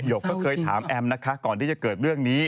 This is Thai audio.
กก็เคยถามแอมนะคะก่อนที่จะเกิดเรื่องนี้